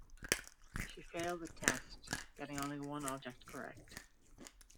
She failed the test getting only one object correct.